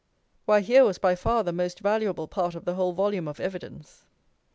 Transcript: Why, here was by far the most valuable part of the whole volume of evidence.